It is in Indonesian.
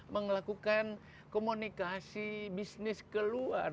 melakukan komunikasi bisnis keluar